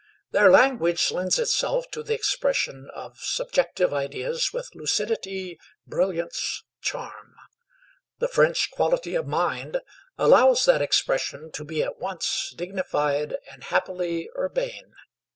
Their language lends itself to the expression of subjective ideas with lucidity, brilliance, charm. The French quality of mind allows that expression to be at once dignified and happily urbane.